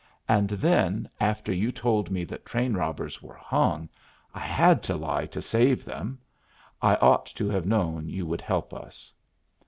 And then, after you told me that train robbers were hung, I had to lie to save them. I ought to have known you would help us."